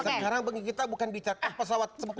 sekarang kita bukan bicara pasawat sempurna